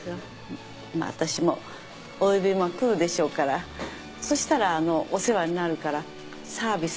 まあ私もお呼びも来るでしょうからそしたらあのうお世話になるからサービスをしてね。